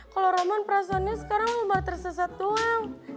kalau roman perasaannya sekarang cuma tersesat doang